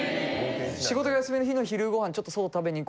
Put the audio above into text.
仕事が休みの日の昼ごはんちょっと外食べに行こうかな。